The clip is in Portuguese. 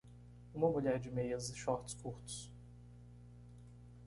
Uma mulher de meias e shorts curtos.